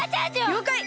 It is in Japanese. りょうかい！